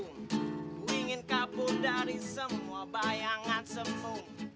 aku ingin kabur dari semua bayangan semu